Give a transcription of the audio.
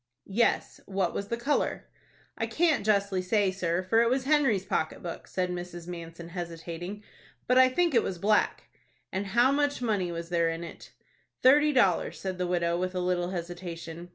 "Yes, what was the color?" "I can't justly say, sir, for it was Henry's pocket book," said Mrs. Manson, hesitating; "but I think it was black." "And how much money was there in it?" "Thirty dollars," said the widow, with a little hesitation.